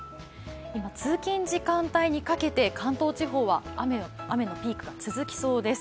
通勤時間帯にかけて関東地方は雨のピークが続きそうです。